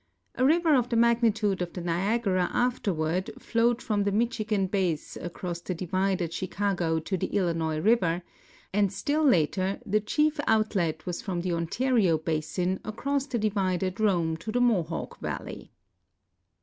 A river of the mag nitude of the Niagara afterward flowed from the Michigan basin acro.ss the divide at Chicago to the Illinois river; and still later the chief outlet was from the Ontario basin across the divide at Rome to the Mohawk valley.